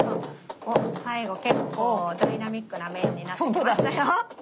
最後結構ダイナミックな麺になってきましたよ。